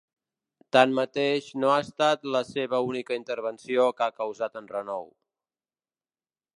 Tanmateix, no ha estat la seva única intervenció que ha causat enrenou.